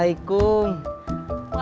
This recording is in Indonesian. oh bagus deh